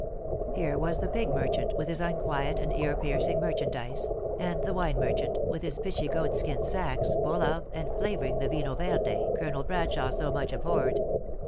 Here was the pig merchant, with his unquiet and ear piercing merchandise, and the wine merchant, with his pitchy goat skin sacks, full of, and flavoring the mnJio verde Colonel Bradshawe so much abhorred.